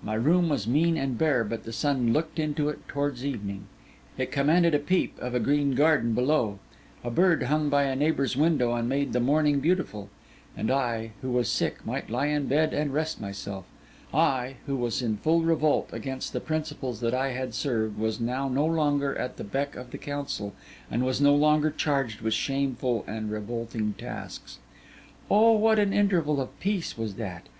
My room was mean and bare, but the sun looked into it towards evening; it commanded a peep of a green garden; a bird hung by a neighbour's window and made the morning beautiful; and I, who was sick, might lie in bed and rest myself: I, who was in full revolt against the principles that I had served, was now no longer at the beck of the council, and was no longer charged with shameful and revolting tasks. Oh! what an interval of peace was that!